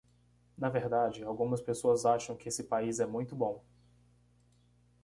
Na verdade, algumas pessoas acham que esse país é muito bom.